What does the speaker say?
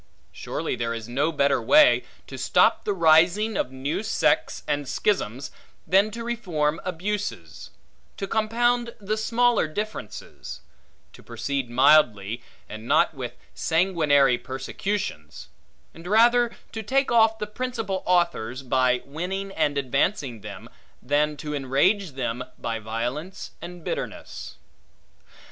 Surely there is no better way, to stop the rising of new sects and schisms, than to reform abuses; to compound the smaller differences; to proceed mildly, and not with sanguinary persecutions; and rather to take off the principal authors by winning and advancing them, than to enrage them by violence and bitterness.